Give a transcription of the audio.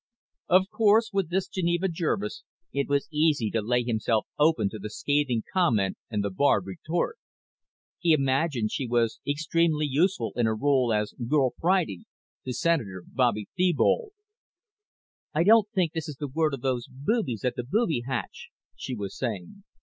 Of course with this Geneva Jervis it was easy to lay himself open to the scathing comment and the barbed retort. He imagined she was extremely useful in her role as Girl Friday to Senator Bobby Thebold. "I don't think this is the work of those boobies at the booby hatch," she was saying.